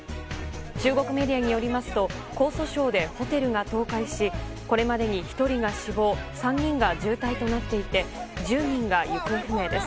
中国メディアによりますと江蘇省でホテルが倒壊しこれまでに１人が死亡３人が重体となっていて１０人が行方不明です。